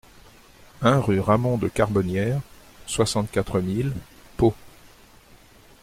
un rue Ramon de Carbonnieres, soixante-quatre mille Pau